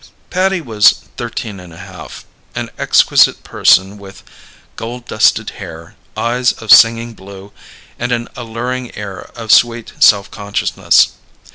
Patty was thirteen and a half; an exquisite person with gold dusted hair, eyes of singing blue, and an alluring air of sweet self consciousness.